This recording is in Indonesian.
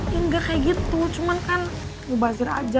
ya enggak kayak gitu cuman kan ngebazir aja